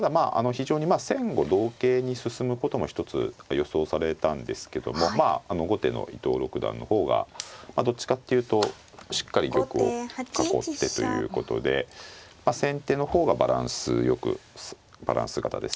非常に先後同型に進むことも一つ予想されたんですけどもまあ後手の伊藤六段の方がどっちかっていうとしっかり玉を囲ってということで先手の方がバランスよくバランス型ですね。